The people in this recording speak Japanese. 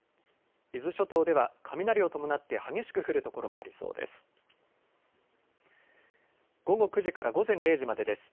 伊豆諸島では雷を伴って激しく降る所もありそうです。